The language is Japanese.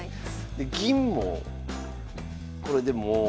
で銀もこれでも。